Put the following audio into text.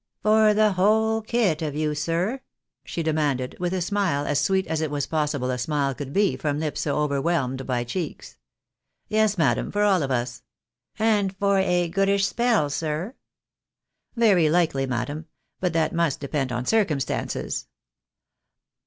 " For the whole kit of you, sir ?" she demanded, with a smile as sweet as it was possible a smile could be from lips so overwhelmed by cheeks. "Yes, madam, for all of us." " And for a goodish spell, sir? "" Very likely, madam ; but that must depend on circumstances."